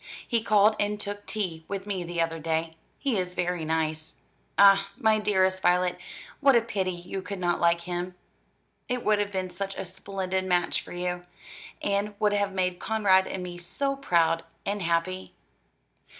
He called and took tea with me the other day. He is very nice. Ah, my dearest Violet, what a pity you could not like him. It would have been such a splendid match for you, and would have made Conrad and me so proud and happy."